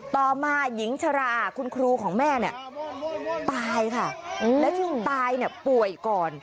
ต่อมาหญิงชราคุณครูของแม่เนี่ยตายค่ะแล้วช่วงตายเนี่ยป่วยก่อน